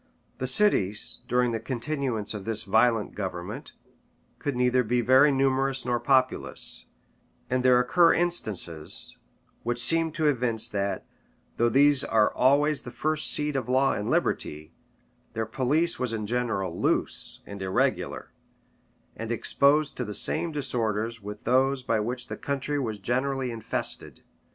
The cities, during the continuance of this violent government, could neither be very numerous nor populous; and there occur instances which seem to evince that, though these are always the first seat of law and liberty, their police was in general loose and irregular, and exposed to the same disorders with those by which the country was generally infested.